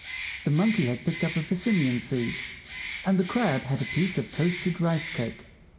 The Monkey had picked up a persimmon seed, and the Crab had a piece of toasted rice cake.